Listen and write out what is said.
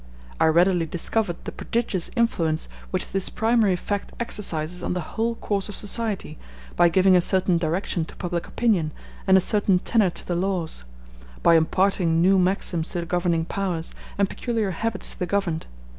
I readily discovered the prodigious influence which this primary fact exercises on the whole course of society, by giving a certain direction to public opinion, and a certain tenor to the laws; by imparting new maxims to the governing powers, and peculiar habits to the governed.